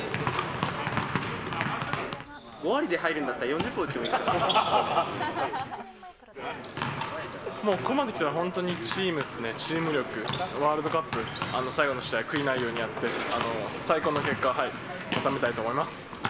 ５割で入るんだったら４０本もうここまできたら本当にチームっすね、チーム力、ワールドカップ最後の試合、悔いないようにやって、最高の結果を収めたいと思います。